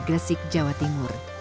gresik jawa timur